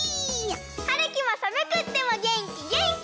はるきもさむくってもげんきげんき！